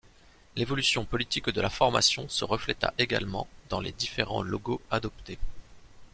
L'évolution politique de la formation se refléta également dans les différents logos adoptés.